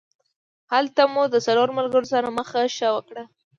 هلته مو د څلورو ملګرو سره مخه ښه وکړه.